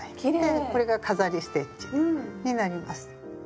でこれが飾りステッチになります。